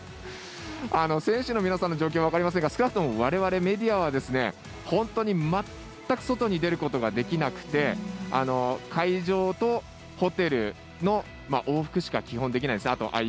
選手の皆さんの状況は分かりませんが少なくともわれわれメディアは本当に全く外に出ることができなくて会場とホテルの往復しか基本、できないです。